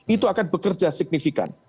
itu akan bekerja signifikan